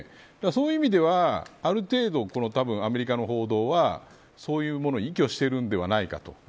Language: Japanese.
そういう意味ではある程度アメリカの報道はそういうものに依拠をしているんではないか。